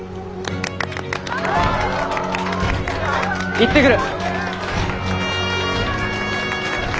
行ってくる。